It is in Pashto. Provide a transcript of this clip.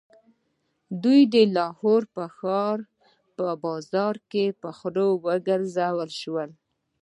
دوی د لاهور ښار په بازارونو کې په خرو وګرځول شول.